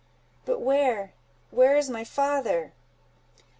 "But where—where is my father!"